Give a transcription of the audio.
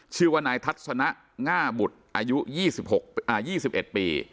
ชื่อวนายทัศนะง่าบุตรอายุยี่สิบหกอ่ายี่สิบเอ็ดปี